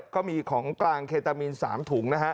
ก็มีของกลางเคตามีน๓ถุง